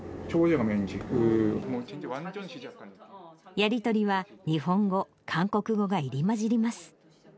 やり取りは日本語、韓国語が入り交じります。